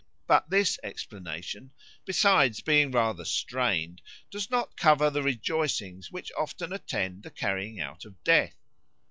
But this explanation, besides being rather strained, does not cover the rejoicings which often attend the carrying out of Death.